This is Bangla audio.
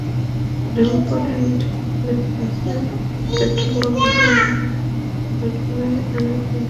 রংপুরের মিঠাপুকুরে বাসে পেট্রলবোমা হামলার ঘটনায় আরও দুই আসামিকে গ্রেপ্তার করা হয়েছে।